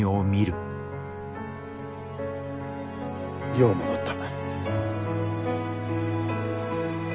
よう戻った。